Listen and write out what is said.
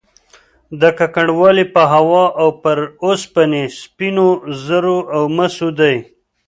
دا ککړوالی په هوا او پر اوسپنې، سپینو زرو او مسو دی